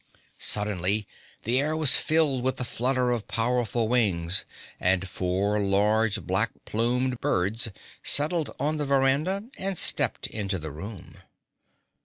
Suddenly the air was filled with the flutter of powerful wings, and four large, black plumed birds, settled on the veranda and stepped into the room.